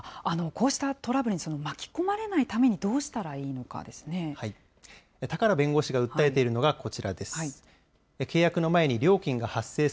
こうしたトラブルに巻き込まれないためにどうし高良弁護士が訴えているのがこちらです。